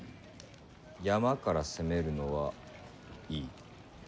山から攻めるのはいい。